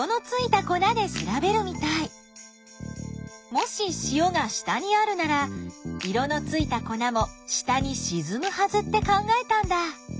もし塩が下にあるなら色のついた粉も下にしずむはずって考えたんだ。